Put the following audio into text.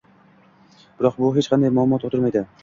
Biroq, bu hech qanday muammo tug'dirmaydi